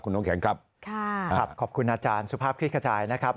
คุณหนูแข็งครับขอบคุณอาจารย์สุภาพคิดขจายนะครับ